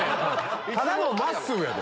ただのまっすーやで。